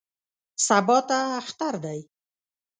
سبا ته اختر دی.